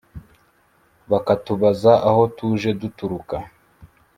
bakatubaza aho tuje duturuka